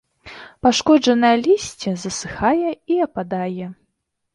Пашкоджанае лісце засыхае і ападае.